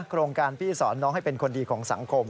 โครงการพี่สอนน้องให้เป็นคนดีของสังคม